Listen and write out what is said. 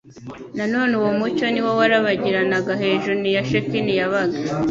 Na none uwo mucvo ni wo warabagiraniraga hejuni ya Shekina yabaga!